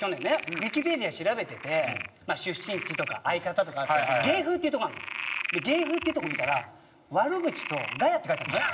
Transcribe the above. ウィキペディア調べてて出身地とか相方とかあって芸風っていうとこあるの。で芸風ってとこ見たら悪口とガヤって書いてあるんですね。